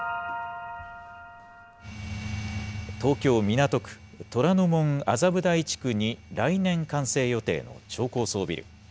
東京・港区、虎ノ門・麻布台地区に来年完成予定の超高層ビル。